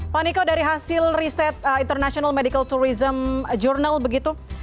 pak niko dari hasil riset international medical tourism journal begitu